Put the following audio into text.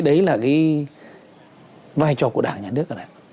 đấy là cái vai trò của đảng nhà nước